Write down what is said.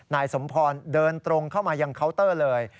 นายสมพรเดินตรงเข้ามายังเคาน์เตอร์เลย